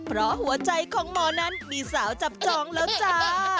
เพราะหัวใจของหมอนั้นมีสาวจับจองแล้วจ้า